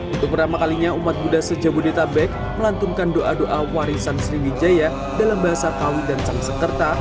untuk pertama kalinya umat buddha seja budha thabek melantungkan doa doa warisan sriwijaya dalam bahasa kaui dan sangsekerta